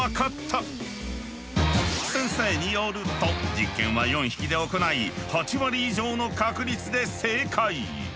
先生によると実験は４匹で行い８割以上の確率で正解！